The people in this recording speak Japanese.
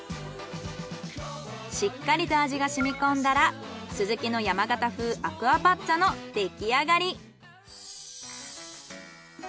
しっかりと味がしみこんだらスズキの山形風アクアパッツァのできあがり。